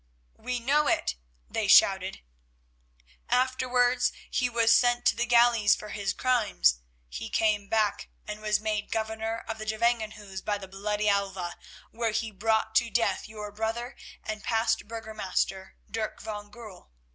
"We know it," they shouted. "Afterwards he was sent to the galleys for his crimes. He came back, and was made Governor of the Gevangenhuis by the bloody Alva, where he brought to death your brother and past burgomaster, Dirk van Goorl.